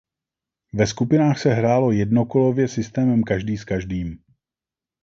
Ve skupinách se hrálo jednokolově systémem každý s každým.